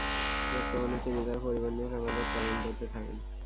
বর্তমানে তিনি তার পরিবার নিয়ে কানাডার টরন্টোতে থাকেন।